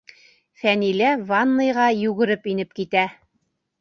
Фәнилә ванныйға йүгереп инеп китә.